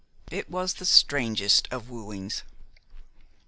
It was the strangest of wooings.